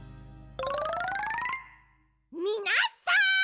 みなさん！